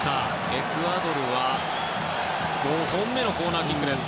エクアドルは５本目のコーナーキックです。